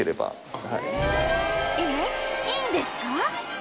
えっいいんですか？